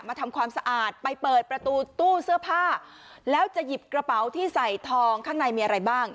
ทำความสะอาดไปเปิดประตูตู้เสื้อผ้าแล้วจะหยิบกระเป๋าที่ใส่ทองข้างในมีอะไรบ้าง